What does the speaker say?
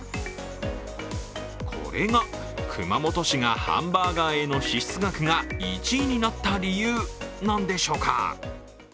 これが熊本市がハンバーガーへの支出額が１位になった理由なんでしょうか？